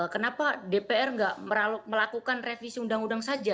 kenapa dpr tidak melakukan revisi undang undang saja